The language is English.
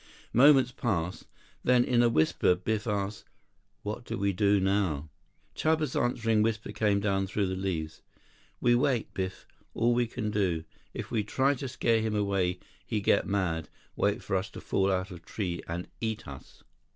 Moments passed. Then, in a whisper, Biff asked, "What do we do now?" Chuba's answering whisper came down through the leaves. "We wait, Biff. All we can do. If we try to scare him away, he get mad, wait for us to fall out of tree and eat us."